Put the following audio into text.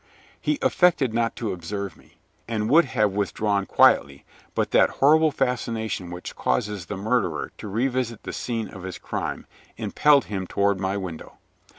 He affected not to observe me, and would have withdrawn quietly, but that horrible fascination which causes the murderer to revisit the scene of his crime, impelled him toward my window.